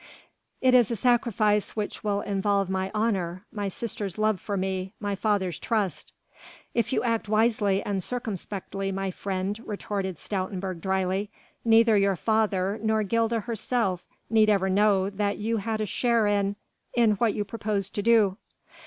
"It is a sacrifice which will involve my honour, my sister's love for me, my father's trust...." "If you act wisely and circumspectly, my friend," retorted Stoutenburg dryly, "neither your father nor Gilda herself need ever know that you had a share in ... in what you propose to do."